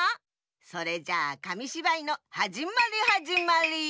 それじゃあかみしばいのはじまりはじまり！